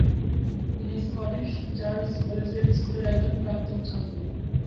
তিনি Scottish Church Collegiate স্কুলের একজন প্রাক্তন ছাত্র।